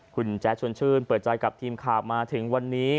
คุณแจ๊ดชวนชื่นเปิดใจกับทีมข่าวมาถึงวันนี้